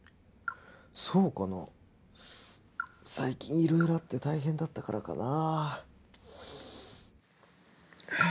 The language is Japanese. そうかな最近いろいろあって大変だったからかな